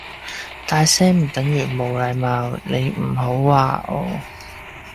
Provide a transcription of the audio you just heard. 大聲唔係等於冇禮貌你唔好話我